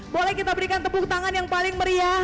boleh kita berikan tepuk tangan yang paling meriah